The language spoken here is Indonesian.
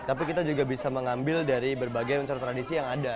tapi kita juga bisa mengambil dari berbagai unsur tradisi yang ada